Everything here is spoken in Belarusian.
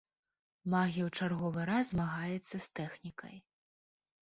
Магія ў чарговы раз змагаецца з тэхнікай.